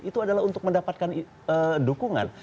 itu adalah untuk mendapatkan dukungan